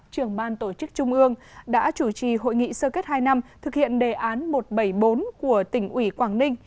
trưởng ban tổ chức trung ương đã chủ trì hội nghị sơ kết hai năm thực hiện đề án một trăm bảy mươi bốn của tỉnh ủy quảng ninh